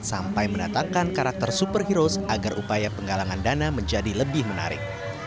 sampai menatakan karakter superheros agar upaya penggalangan dana menjadi lebih menarik